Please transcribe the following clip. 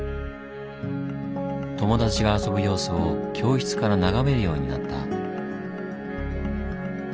友達が遊ぶ様子を教室から眺めるようになった。